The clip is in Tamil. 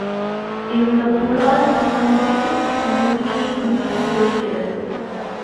இந்தப் புலால் துண்டின் நுனியை மீன் சுவைக்கிறது!